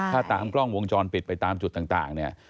ถ้าตามกล้องวงจรปิดไปตามจุดต่างเนี่ย